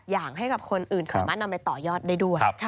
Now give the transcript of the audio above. อย่างให้กับคนอื่นสามารถนำไปต่อยอดได้ด้วย